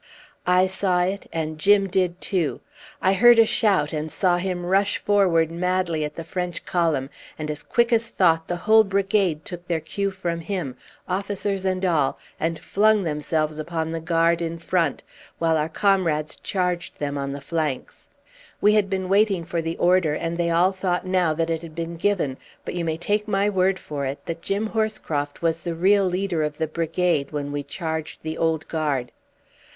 I saw it, and Jim did too. I heard a shout, and saw him rush forward madly at the French column; and, as quick as thought, the whole brigade took their cue from him, officers and all, and flung themselves upon the Guard in front, while our comrades charged them on the flanks. We had been waiting for the order, and they all thought now that it had been given; but you may take my word for it, that Jim Horscroft was the real leader of the brigade when we charged the Old Guard.